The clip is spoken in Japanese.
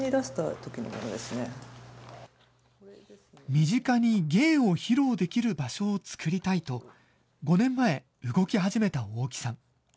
身近に芸を披露できる場所を作りたいと、５年前、動き始めた大木さん。